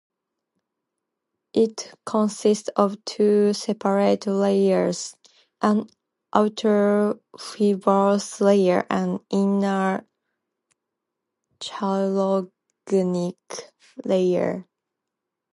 It consists of two separate layers: an outer fibrous layer and inner chondrogenic layer.